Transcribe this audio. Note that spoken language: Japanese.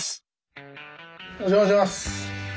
お邪魔します。